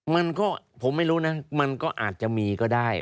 มันก็ผมไม่รู้นะมันก็อาจจะมีก็ได้